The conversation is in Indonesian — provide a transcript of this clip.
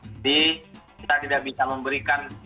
jadi kita tidak bisa memberikan